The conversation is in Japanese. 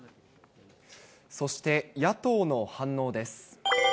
そして、野党の反応です。